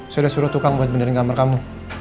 saya sudah suruh tukang buat benerin kamar kamu